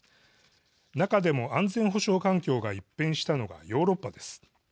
中でも、安全保障環境が一変したのがヨーロッパです。